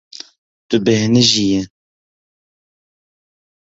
Tu bêhnijiyî.